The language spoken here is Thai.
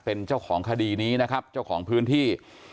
เป็นเจ้าของคดีนี้นะครับเจ้าของพื้นที่